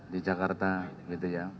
di jakarta gitu ya